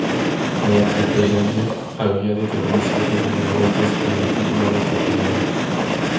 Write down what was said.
La capellanía había de tener siete sacerdotes con el título de capellanes.